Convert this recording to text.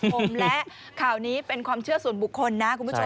ผมและข่าวนี้เป็นความเชื่อส่วนบุคคลนะคุณผู้ชม